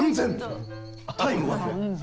タイムは？